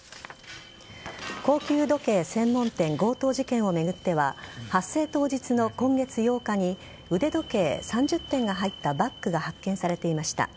高級時計専門店強盗事件を巡っては発生当日の今月８日に腕時計３０点が入ったバッグが発見されていました。